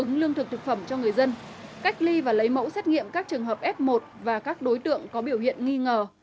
huyện mê linh đảm bảo cung ứng lương thực phẩm cho người dân cách ly và lấy mẫu xét nghiệm các trường hợp f một và các đối tượng có biểu hiện nghi ngờ